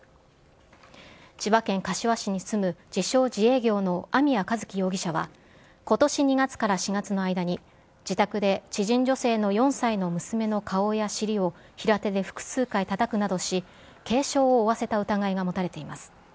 千葉県柏市に住む自称自営業の網谷一希容疑者は、ことし２月から４月の間に、自宅で知人女性の４歳の娘の顔や尻を、平手で複数回たたくなどし、軽傷を負わせた疑いが持たれています。